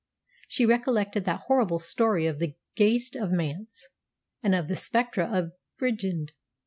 She recollected that horrible story of the Ghaist of Manse and of the spectre of Bridgend.